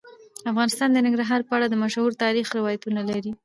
افغانستان د ننګرهار په اړه مشهور تاریخی روایتونه لري.